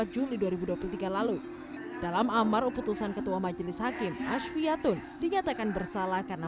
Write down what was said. dua juli dua ribu dua puluh tiga lalu dalam amar keputusan ketua majelis hakim ashfiatun dinyatakan bersalah karena